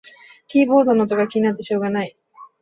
キーボードの音が気になってしょうがない